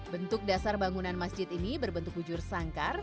bentuk dasar bangunan masjid ini berbentuk bujur sangkar